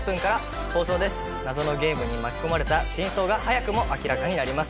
謎のゲームに巻き込まれた真相が早くも明らかになります。